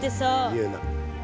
言うな。